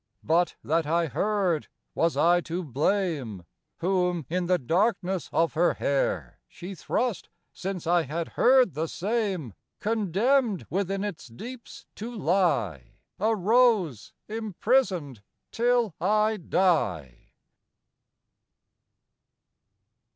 But that I heard was I to blame? Whom in the darkness of her hair She thrust since I had heard the same: Condemned within its deeps to lie, A rose, imprisoned till I die.